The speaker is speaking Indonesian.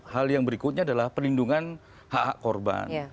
hal yang berikutnya adalah perlindungan hak hak korban